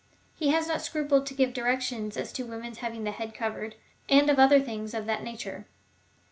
He has not scrupled to give directions as to women's having the head covered, and other things of that nature.